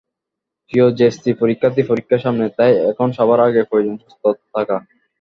প্রিয় জেএসসি পরীক্ষার্থী, পরীক্ষা সামনে, তাই এখন সবার আগে প্রয়োজন সুস্থ থাকা।